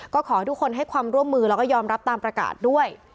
ก็ขอให้ทุกคนให้ความร่วมมือแล้วก็ยอมรับตามประกาศด้วย